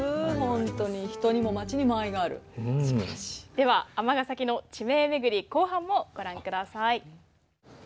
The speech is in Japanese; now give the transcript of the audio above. では尼崎の地名めぐり後半もご覧ください。